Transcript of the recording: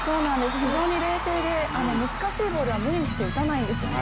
非常に冷静で難しいボールは無理して打たないんですよね